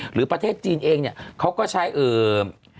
หรือประเทศจีนเองเขาก็ใช้